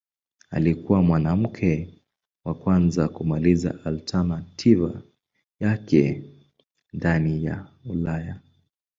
Alikuwa mwanamke wa kwanza kumaliza alternativa yake ndani ya Ulaya.